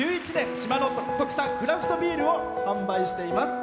島の特産クラフトビールを販売しています。